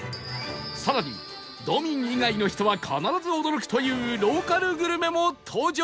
更に道民以外の人は必ず驚くというローカルグルメも登場